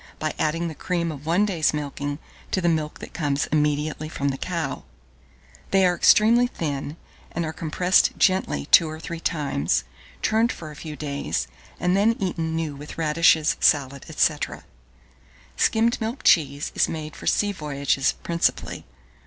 by adding the cream of one day's milking to the milk that comes immediately from the cow: they are extremely thin, and are compressed gently two or three times, turned for a few days, and then eaten new with radishes, salad, &c. Skimmed Milk cheese is made for sea voyages principally.